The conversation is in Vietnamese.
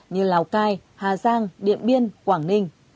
như lào cai hà giang điện biên quảng ninh